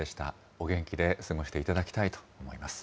お元気で過ごしていただきたいと思います。